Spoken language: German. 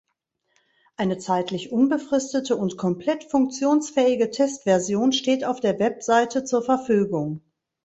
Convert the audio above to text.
Eine zeitlich unbefristete und komplett funktionsfähige Testversion steht auf der Website zur Verfügung.